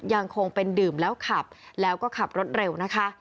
ยังคงเป็นดื่มแล้วขับแล้วก็ขับรถเร็วนะคะ